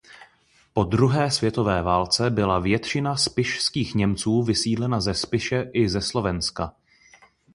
Po druhé světové válce byla většina Spišských Němců vysídlena ze Spiše i ze Slovenska.